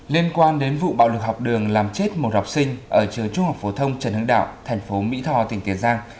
liên quan đến vụ bạo lực học đường làm chết một học sinh ở trường trung học phố thông trần hứng đạo thành phố mỹ thò tỉnh tiền giang